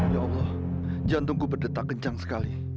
ya allah jantungku berdetak kencang sekali